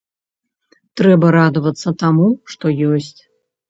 Трэба радавацца таму, што ёсць.